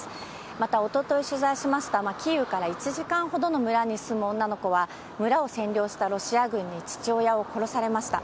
またおととい取材しましたキーウから１時間ほどの村に住む女の子は、村を占領したロシア軍に父親を殺されました。